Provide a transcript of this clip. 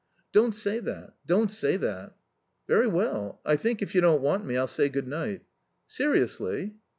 "Don't say that. Don't say that." "Very well. I think, if you don't want me, I'll say good night." "Seriously?"